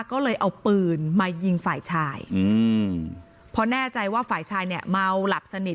ก็เลยเอาปืนมายิงฝ่ายชายอืมพอแน่ใจว่าฝ่ายชายเนี่ยเมาหลับสนิท